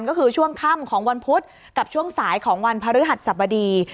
ก็คือช่วงค่ำของวันพุธกับช่วงสายของวันพฤหัสสบดี